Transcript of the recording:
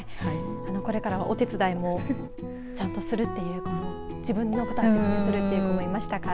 これからお手伝いもちゃんとするっていう自分のことは自分でするという子もいましたから。